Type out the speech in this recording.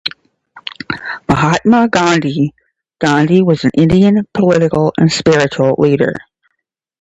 Mahatma Gandhi - Gandhi was an Indian political and spiritual leader.